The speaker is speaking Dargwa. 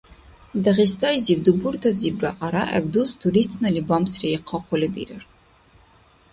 Дагъистайзиб дубуртазибра арагӀеб дус туристунани бамсриихъули бирар